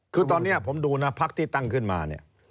คือตอนนี้ผมดูนะพักที่ตั้งขึ้นมาเนี่ย